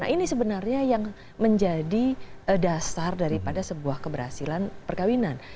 nah ini sebenarnya yang menjadi dasar daripada sebuah keberhasilan perkawinan